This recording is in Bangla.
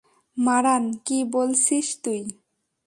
মারান, কী বলছিস তুই?